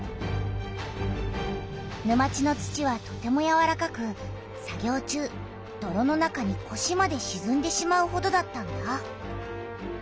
沼地の土はとてもやわらかく作業中どろの中にこしまでしずんでしまうほどだったんだ。